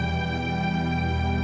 gak ada apa apa